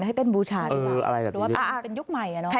ให้เต้นบูชาหรือเป็นยุคใหม่